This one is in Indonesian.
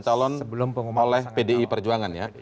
sebelum pengumuman pasangan calon oleh pdi perjuangan ya